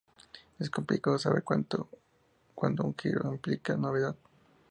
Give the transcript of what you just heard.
Es complicado saber cuándo un giro implica novedad.